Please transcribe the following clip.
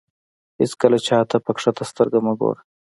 هېڅکله چاته په کښته سترګه مه ګوره.